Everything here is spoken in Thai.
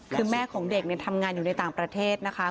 คือแม่ของเด็กทำงานอยู่ในต่างประเทศนะคะ